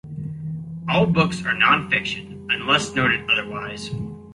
All books are nonfiction, unless noted otherwise.